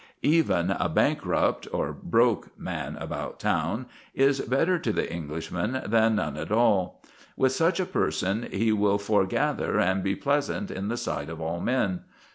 Even a bankrupt or "broke" man about town is better to the Englishman than none at all. With such a person he will foregather and be pleasant in the sight of all men.